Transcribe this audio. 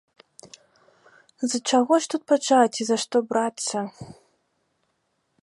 З чаго ж тут пачаць і за што брацца?